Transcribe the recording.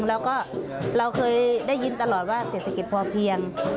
แล้วก็เราเคยได้ยินตลอดว่าเศรษฐกิจพอเพียง